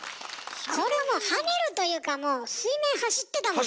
これもう跳ねるというかもう水面走ってたもんね！